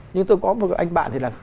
nhưng tôi có một anh bạn thì là